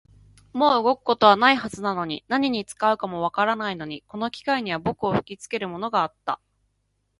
もう動くことはないはずなのに、何に使うかもわからないのに、この機械には僕をひきつけるものがあった